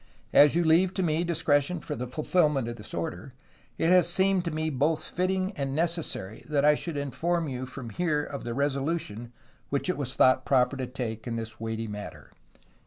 As you leave to me discretion for the fulfil ment of this order, it has seemed to me both fitting and necessary that I should inform you from here of the resolution which it was thought proper to take in this weighty matter."